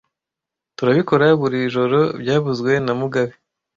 Turabikora buri joro byavuzwe na mugabe